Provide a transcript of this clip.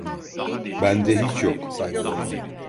Bende hiç yok.